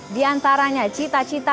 di antaranya cita cipul